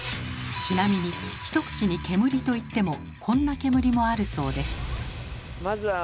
ちなみに一口に「煙」といってもこんな煙もあるそうです。